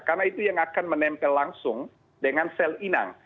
karena itu yang akan menempel langsung dengan sel inang